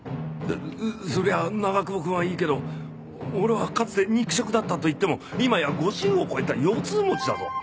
そりゃあ長窪くんはいいけど俺はかつて肉食だったといっても今や５０を超えた腰痛持ちだぞ